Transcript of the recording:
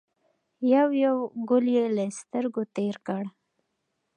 یو یو ګل یې له سترګو تېر کړ.